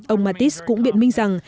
ông mattis cũng biện minh rằng